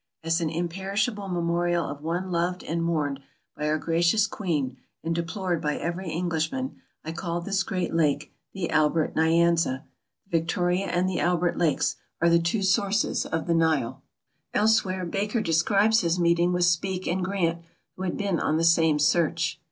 As an imperishable memorial of one loved and mourned by our gracious Queen and deplored by every Englishman, I called this great lake '' the Albert Nyanza. '' The Victoria and the Albert lakes are the two sources of the Nile. 382 TRAVELERS AND EXPLORERS [Elsewhere Baker describes his meeting with Speke and Grant, who had been on the same search.